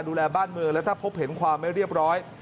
ดูแลบ้านเมืองและถ้าพบเห็นความไม่เรียบร้อย